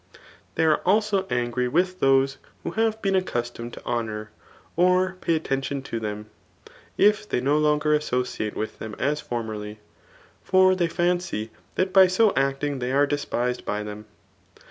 CUjkV.lU RHBTORIC.' 101 liicy are also angry ifrith those who have been acci»^ toHied to honour, or pay attention to them, if they no l<»ger associate with them as formerly ; for they fkncy that by so acting they are despised by them.